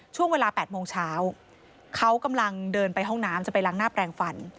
ช่วงเวลา๘โมงเช้าเขากำลังเดินไปห้องน้ำจะไปล้างหน้าแปลงฟัน